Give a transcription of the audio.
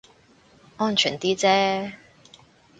安全啲啫